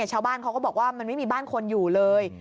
ชาวบ้านเขาก็บอกว่ามันไม่มีบ้านคนอยู่เลย